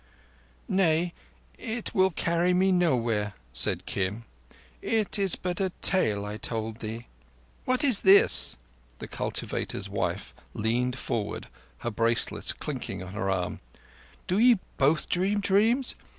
"Nay, it will carry me nowhere," said Kim. "It is but a tale I told thee." "What is this?" The cultivator's wife leaned forward, her bracelets clinking on her arm. "Do ye both dream dreams?